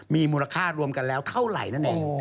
มีมูลค่ารวมกันแล้วเท่าไหร่นั่นเอง